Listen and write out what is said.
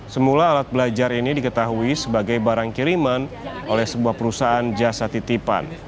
semula alat belajar ini diketahui sebagai barang kiriman oleh sebuah perusahaan jasa titipan